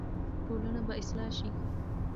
ټولنه به اصلاح شي.